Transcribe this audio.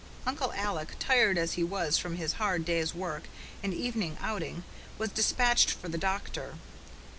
Uncle Alec, tired as he was from his hard day's work and evening outing, was despatched for the doctor.